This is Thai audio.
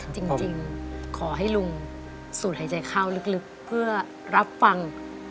จริงขอให้ลุงสูดหายใจเข้าลึกเพื่อรับฟัง